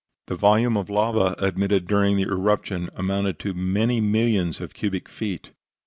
The volume of lava emitted during the eruption amounted to many millions of cubic feet.